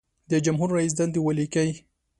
د جمهور رئیس دندې ولیکئ.